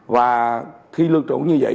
và khi luôn trụ như vậy